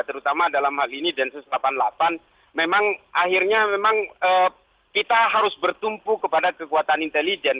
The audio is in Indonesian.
terutama dalam hal ini densus delapan puluh delapan memang akhirnya memang kita harus bertumpu kepada kekuatan intelijen